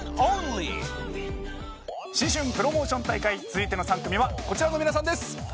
新春プロモーション大会続いての３組はこちらの皆さんです。